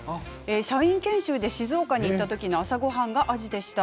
社員研修で静岡に行った時に朝ごはんはアジでした。